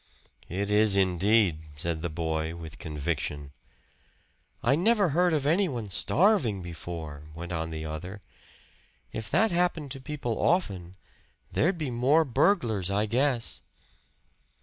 "It is indeed," said the boy with conviction. "I never heard of anyone starving before," went on the other. "If that happened to people often, there'd be more burglars, I guess."